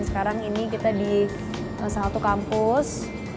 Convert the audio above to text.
sekarang ini kita di salah satu kampus